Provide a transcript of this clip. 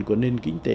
của nền kinh tế